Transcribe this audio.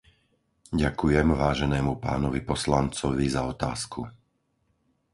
Ďakujem váženému pánovi poslancovi za otázku.